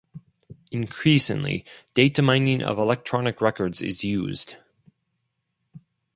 Increasingly, data-mining of electronic records is used.